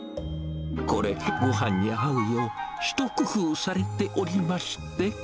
これ、ごはんに合うよう、一工夫されておりまして。